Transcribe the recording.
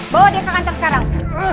bawa dia ke kantor sekarang